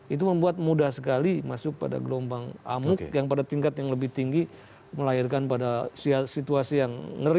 itu membuat mudah sekali masuk pada gelombang amuk yang pada tingkat yang lebih tinggi melahirkan pada situasi yang ngeri